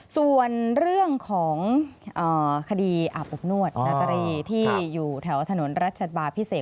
ส่วนเรื่องของคดีอาบอบนวดนาตรีที่อยู่แถวถนนรัชดาพิเศษ